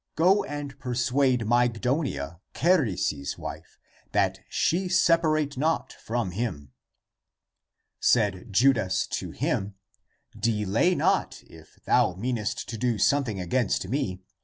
Go and persuade Myg donia, Charis's wife, that she separate not from him." Said Judas to him, " Delay not, if thou meanest to do something (against me).